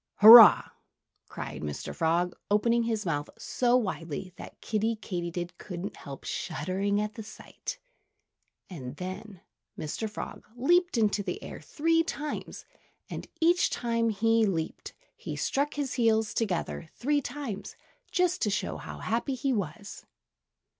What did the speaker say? "Hurrah!" cried Mr. Frog, opening his mouth so widely that Kiddie Katydid couldn't help shuddering at the sight. And then Mr. Frog leaped into the air three times. And each time that he leaped, he struck his heels together three times, just to show how happy he was.